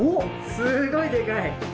すごいでかい。